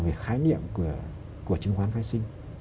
về khái niệm của chứng khoán phát sinh